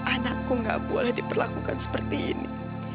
anakku gak boleh diperlakukan seperti ini